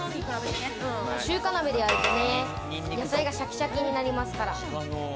中華鍋でやるとね、野菜がシャキシャキになりますから。